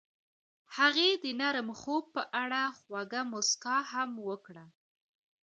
هغې د نرم خوب په اړه خوږه موسکا هم وکړه.